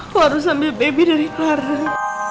korang sambil baby dari parah